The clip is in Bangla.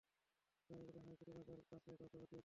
ছবিগুলো হাইকোর্ট এলাকার কাছে কাউকে পাঠিয়েছে।